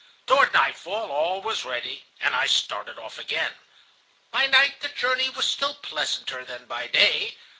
Toward nightfall all was ready, and I started off again. By night the journey was still pleasanter than by day.